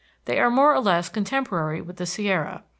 They are more or less contemporary with the Sierra.